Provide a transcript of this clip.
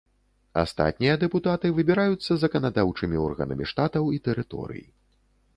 Астатнія дэпутаты выбіраюцца заканадаўчымі органамі штатаў і тэрыторый.